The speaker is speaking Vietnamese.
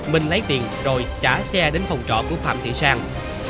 minh lấy tiền rồi trả xe đến phòng trọ của phạm thị sang